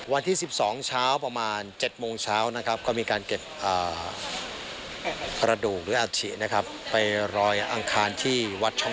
และในช่วงสายของวันนี้นะคะก็จะมีพิธีเลี้ยงเพลินพระ